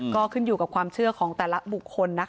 ก็ขึ้นอยู่กับความเชื่อของแต่ละบุคคลนะคะ